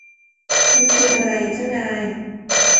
มันคืออะไร เจ้านาย